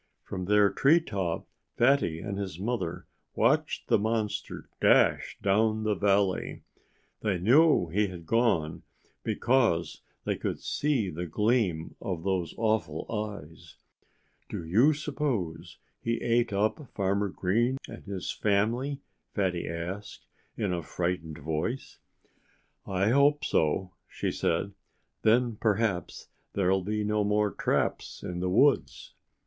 From their tree top Fatty and his mother watched the monster dash down the valley. They knew he had gone, because they could see the gleam of those awful eyes. "Do you suppose he ate up Farmer Green and his family?" Fatty asked in a frightened voice. "I hope so," she said. "Then perhaps there'll be no more traps in the woods."